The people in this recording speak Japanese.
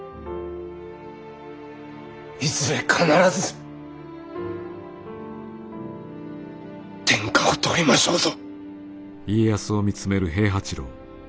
いずれ必ず天下を取りましょうぞ！